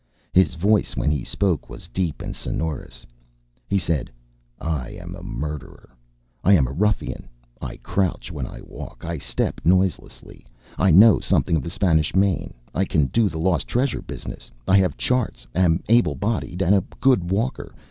His voice, when he spoke, was deep and sonorous. He said, "I am a murderer. I am a ruffian. I crouch when I walk. I step noiselessly. I know something of the Spanish Main. I can do the lost treasure business. I have charts. Am able bodied and a good walker.